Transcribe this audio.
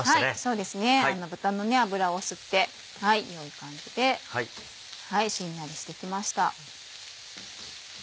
そうですね豚の脂を吸ってよい感じでしんなりしてきました。